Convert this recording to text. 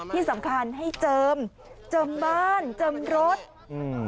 ที่สำคัญให้เจิมเจิมบ้านเจิมรถอืม